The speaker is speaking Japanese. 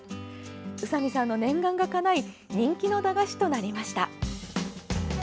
宇佐見さんの念願がかない人気の駄菓子となりました。